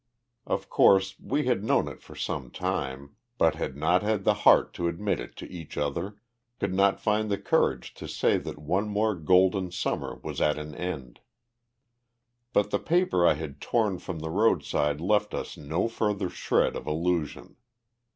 Of course, we had known it for some time, but had not had the heart to admit it to each other, could not find courage to say that one more golden Summer was at an end. But the paper I had torn from the roadside left us no further shred of illusion.